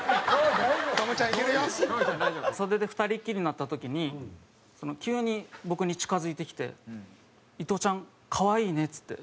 袖で２人きりになった時に急に僕に近付いてきて「伊藤ちゃん可愛いね」っつって。